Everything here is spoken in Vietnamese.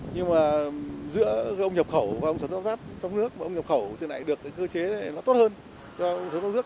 nhưng mà giữa ông nhập khẩu và ông sản xuất lắp ráp trong nước và ông nhập khẩu thì lại được cơ chế nó tốt hơn cho ông sản xuất lắp ráp nước